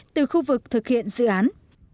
từ khu vực thực hiện dự án